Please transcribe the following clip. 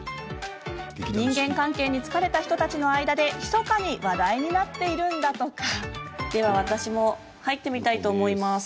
人間関係に疲れた人たちの間でひそかに話題になっているんだとか。